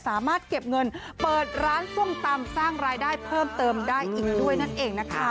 สามารถเก็บเงินเปิดร้านส้มตำสร้างรายได้เพิ่มเติมได้อีกด้วยนั่นเองนะคะ